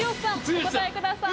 お答えください。